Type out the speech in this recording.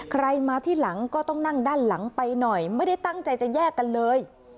ใครมาที่หลังก็ต้องนั่งด้านหลังไปหน่อยไม่ได้ตั้งใจจะแยกกันเลย